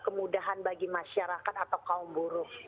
kemudahan bagi masyarakat atau kaum buruh